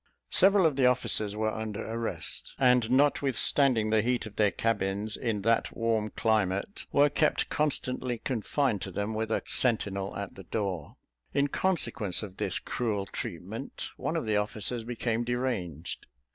Several of the officers were under arrest, and notwithstanding the heat of their cabins in that warm climate, were kept constantly confined to them with a sentinel at the door. In consequence of this cruel treatment, one of the officers became deranged.